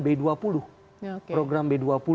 b dua puluh program b dua puluh